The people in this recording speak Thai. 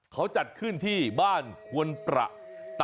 เขาจัดขึ้นที่ภาคใต้ทำเพื่ออะไรไปดูกันครับ